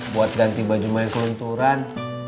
buat ganti baju main kelunturan